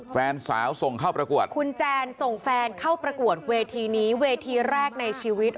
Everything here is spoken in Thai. แฟนสาวส่งเข้าประกวดคุณแจนส่งแฟนเข้าประกวดเวทีนี้เวทีแรกในชีวิต